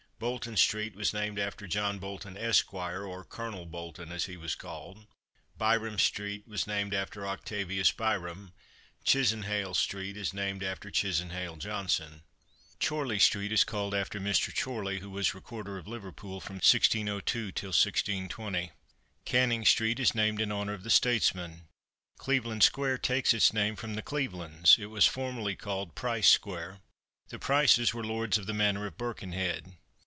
Bolton street was named after John Bolton, Esq., or Colonel Bolton as he was called. Byrom street was named after Octavius Byrom. Chisenhale street is named after Chisenhale Johnson. Chorley street is called after Mr. Chorley, who was recorder of Liverpool from 1602 till 1620. Canning street is named in honour of the statesman. Cleveland square takes its name from the Clevelands; it was formerly called Price square. The Prices were lords of the manor of Birkenhead.